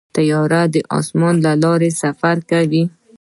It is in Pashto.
طیاره د اسمان له لارې سفر کوي.